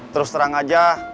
terus terang aja